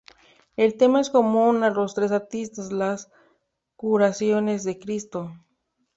El tema es común a los tres artistas: "Las curaciones de Cristo".